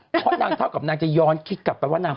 เพราะนางเท่ากับนางจะย้อนคิดกลับไปว่านาง